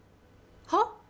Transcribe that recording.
はっ？